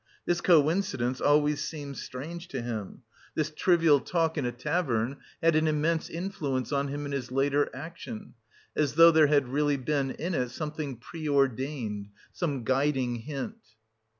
This coincidence always seemed strange to him. This trivial talk in a tavern had an immense influence on him in his later action; as though there had really been in it something preordained, some guiding hint....